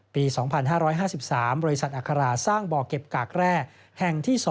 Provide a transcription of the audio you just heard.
ปี๒๕๕๓บริษัทอัคราสร้างบ่อเก็บกากแร่แห่งที่๒